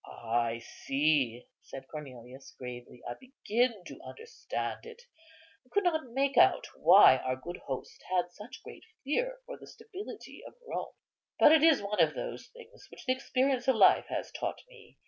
"I see," said Cornelius, gravely, "I begin to understand it. I could not make out why our good host had such great fear for the stability of Rome. But it is one of those things which the experience of life has taught me.